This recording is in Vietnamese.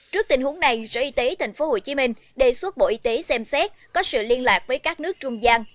trước tình huống này sở y tế tp hcm đề xuất bộ y tế xem xét có sự liên lạc với các nước trung gian